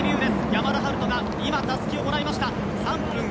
山田陽翔がたすきをもらいました。